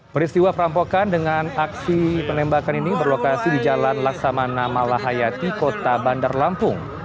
peristiwa perampokan dengan aksi penembakan ini berlokasi di jalan laksamana malahayati kota bandar lampung